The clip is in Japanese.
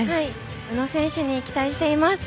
宇野選手に期待しています。